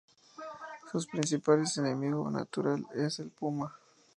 Su principales enemigo natural es el puma.